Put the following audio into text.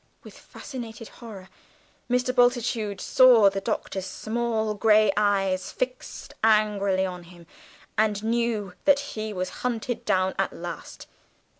With fascinated horror, Mr. Bultitude saw the Doctor's small grey eyes fixed angrily on him, and knew that he was hunted down at last.